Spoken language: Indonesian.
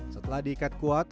setelah diikat kuat